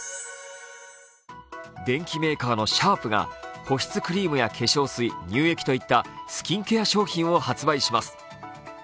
電機メーカーのシャープが、保湿クリームや化粧水、乳液といったスキンケア商品を発売します。